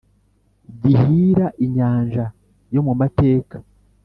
gihira inyanja yo mu mateka